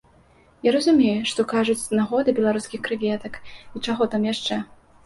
Я разумею, што кажуць з нагоды беларускіх крэветак і чаго там яшчэ.